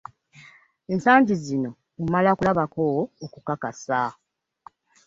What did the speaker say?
Ensangi zino omala kulabako okukakasa.